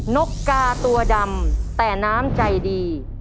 นกกาตัวดำแต่น้ำใจดี